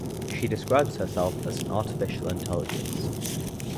She describes herself as an artificial intelligence.